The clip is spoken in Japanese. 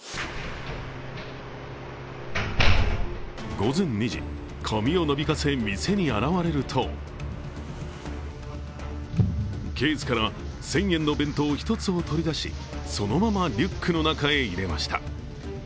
午前２時、髪をなびかせ店に現れるとケースから１０００円の弁当１つを取り出し、そのままリュックの中へ入れました。